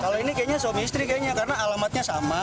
kalau ini kayaknya suami istri kayaknya karena alamatnya sama